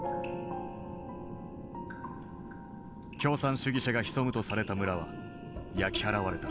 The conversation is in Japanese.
共産主義者が潜むとされた村は焼き払われた。